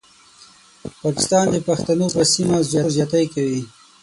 پاکستان د پښتنو پر سیمه زور زیاتی کوي.